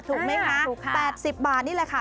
ถูกไหมคะ๘๐บาทนี่แหละค่ะ